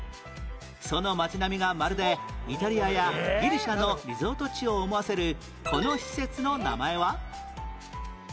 その街並みがまるでイタリアやギリシャのリゾート地を思わせるこの施設の名前は？